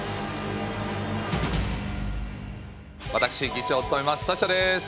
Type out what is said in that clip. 私議長を務めますサッシャです。